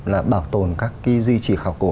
là bảo tồn các di chỉ khảo cổ